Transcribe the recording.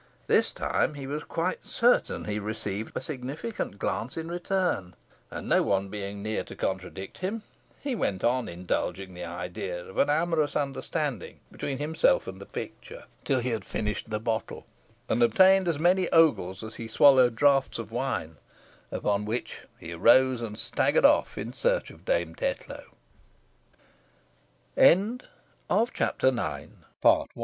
This time he was quite certain he received a significant glance in return, and no one being near to contradict him, he went on indulging the idea of an amorous understanding between himself and the picture, till he had finished the bottle, and obtained as many ogles as he swallowed draughts of wine, upon which he arose and staggered off in search of Dame Tetlow. Meanwhile, Mistress Nutter having